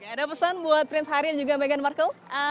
ada pesan buat prince harry dan juga meghan markle